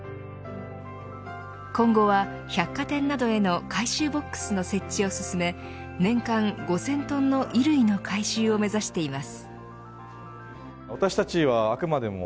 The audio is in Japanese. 今後は百貨店などへの回収ボックスの設置を進め年間５０００トンの衣類の回収を目指しています。